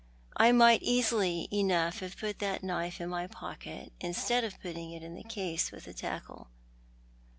I might easily enough have put that knife in my pocket instead of putting it in the case with the tackle."